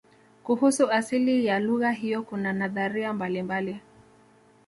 kuhusu asili ya lugha hiyo kuna nadharia mbalimbali